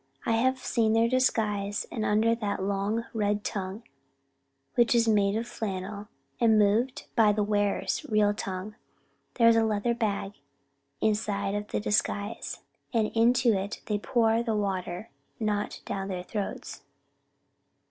I have seen their disguise, and under that long red tongue, which is made of flannel, and moved by the wearer's real tongue, there is a leather bag, inside of the disguise and into it they pour the water; not down their throats."